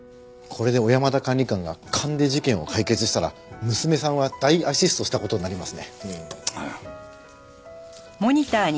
これで小山田管理官が勘で事件を解決したら娘さんは大アシストした事になりますね。